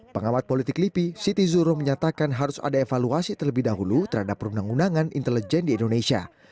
pengamat politik lipi siti zuro menyatakan harus ada evaluasi terlebih dahulu terhadap perundang undangan intelijen di indonesia